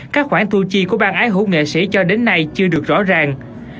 các khoản thu chi của ban ái hữu nghệ sĩ cho đến nay chưa được rõ ràng